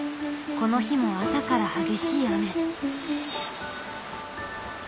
この日も朝から激しい雨。